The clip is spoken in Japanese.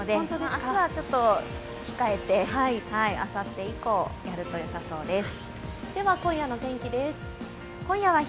明日はちょっと控えてあさって以降、やるとよさそうです